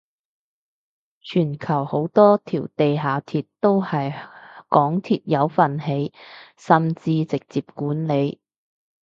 全球好多條地下鐵都係港鐵有份起甚至直接管理